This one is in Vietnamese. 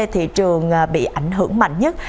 thị trường bị ảnh hưởng mạnh nhất